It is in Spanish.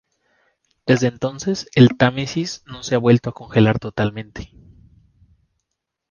Desde entonces, el Támesis no se ha vuelto a congelar totalmente.